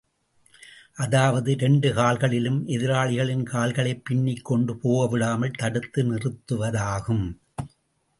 அதாவது இரண்டு கால்களாலும் எதிராளிகளின் கால்களைப் பின்னிக் கொண்டு, போகவிடாமல், தடுத்து நிறுத்துவதாகும்.